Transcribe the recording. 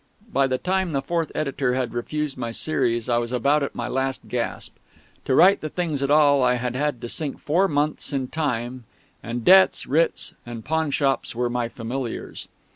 By the time the fourth editor had refused my series I was about at my last gasp. To write the things at all I had had to sink four months in time; and debts, writs and pawnshops were my familiars.